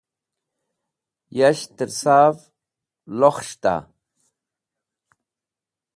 Yash tẽr sav lokhẽs̃hta?